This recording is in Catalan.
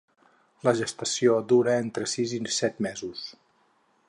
La gestació dura entre sis i set mesos.